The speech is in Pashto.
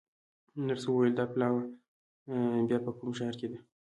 نرسې وویل: دا پلاوا بیا په کوم ښار کې ده؟